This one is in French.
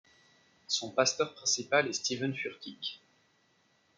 Son pasteur principal est Steven Furtick.